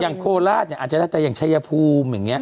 อย่างโคลาสอาจจะแล้วแต่อย่างชายภูมิอย่างนี้